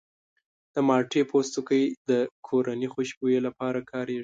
د مالټې پوستکی د کورني خوشبویي لپاره کارېږي.